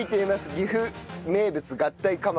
岐阜名物合体釜飯。